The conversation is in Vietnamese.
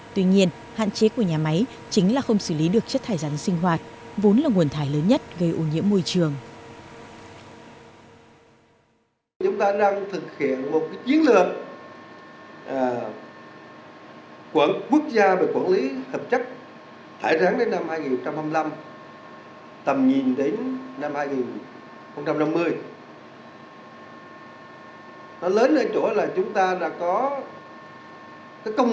tuy nhiên hạn chế của nhà máy chính là không xử lý được chất thải rắn sinh hoạt vốn là nguồn thải lớn nhất gây ô nhiễm môi trường